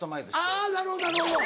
なるほどなるほど！